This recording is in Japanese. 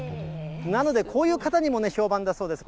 なので、こういう方にも評判だそうです。